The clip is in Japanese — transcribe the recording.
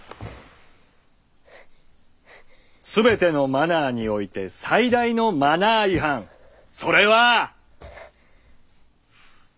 全てのマナーにおいて最大のマナー違反それは。